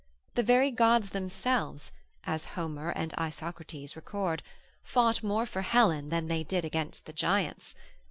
The very gods themselves (as Homer and Isocrates record) fought more for Helen, than they did against the giants.